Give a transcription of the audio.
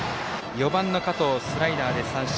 ４番の加藤、スライダーで三振。